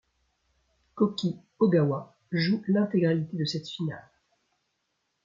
Koki Ogawa joue l'intégralité de cette finale.